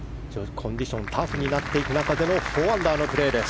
コンディションがタフになっていく中での４アンダーのプレーです。